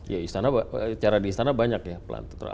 ya istana acara di istana banyak ya pelantur